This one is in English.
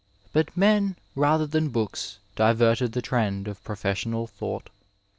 But men rather than books diverted the trend of professional thought.